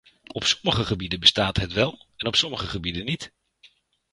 Op sommige gebieden bestaat het wel en op sommige gebieden niet.